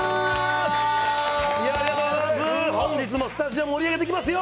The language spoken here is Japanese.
本日もスタジオを盛り上げていきますよ！